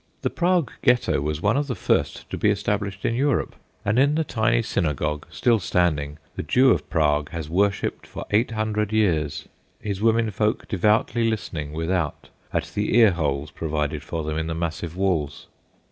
The Prague Ghetto was one of the first to be established in Europe, and in the tiny synagogue, still standing, the Jew of Prague has worshipped for eight hundred years, his women folk devoutly listening, without, at the ear holes provided for them in the massive walls.